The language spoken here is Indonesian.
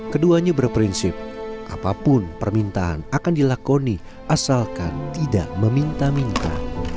keduanya berprinsip apapun permintaan akan dilakoni asalkan tidak meminta minta